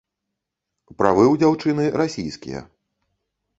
Правы ў дзяўчыны расійскія.